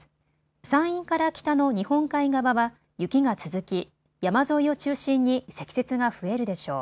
山陰から北の日本海側は雪が続き山沿いを中心に積雪が増えるでしょう。